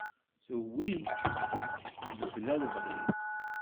Tuwi-t mebla lebɣi-s.